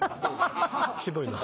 ひどいな。